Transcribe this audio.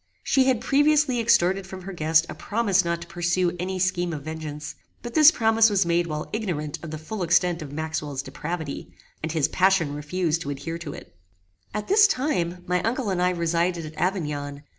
She had previously extorted from her guest a promise not to pursue any scheme of vengeance; but this promise was made while ignorant of the full extent of Maxwell's depravity, and his passion refused to adhere to it. At this time my uncle and I resided at Avignon.